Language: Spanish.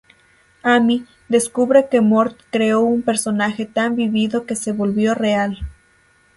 Amy descubre que Mort creó un personaje tan vívido que se volvió real.